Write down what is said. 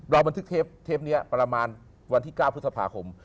บันทึกเทปนี้ประมาณวันที่๙พฤษภาคม